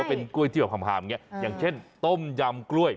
แต่เป็นกล้วยที่แฮมอย่างเช่นต้มยำกล้วย